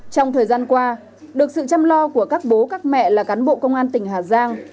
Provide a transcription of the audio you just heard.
trong thời gian qua được sự chăm lo của các bố các mẹ là cán bộ công an tỉnh hà giang